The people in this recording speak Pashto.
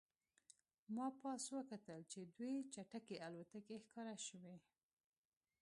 ما پاس وکتل چې دوې چټکې الوتکې ښکاره شوې